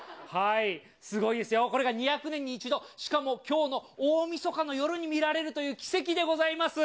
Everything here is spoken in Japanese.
すごいですよ、これが２００年に一度、しかもきょうの大晦日の夜に見られるという奇跡でございます。